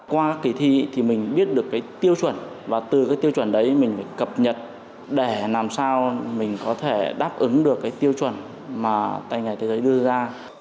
qua kỳ thi thì mình biết được cái tiêu chuẩn và từ cái tiêu chuẩn đấy mình phải cập nhật để làm sao mình có thể đáp ứng được cái tiêu chuẩn mà tài nghề thế giới đưa ra